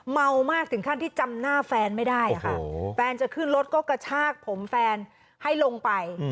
เมามากถึงขั้นที่จำหน้าแฟนไม่ได้ค่ะแฟนจะขึ้นรถก็กระชากผมแฟนให้ลงไป